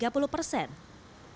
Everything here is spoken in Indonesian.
belum baru ini